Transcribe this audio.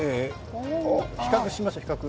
比較しましょう、比較。